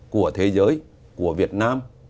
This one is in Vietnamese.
của thế giới của việt nam